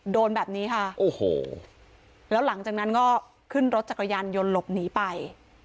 โดนแบบนี้ค่ะโอ้โหแล้วหลังจากนั้นก็ขึ้นรถจักรยานยนต์หลบหนีไป